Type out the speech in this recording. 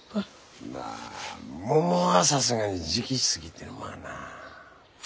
あ桃はさすがに時期過ぎてるわな。